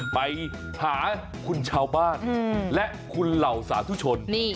ไปหาคุณชาวบ้านและคุณเหล่าสาธุชน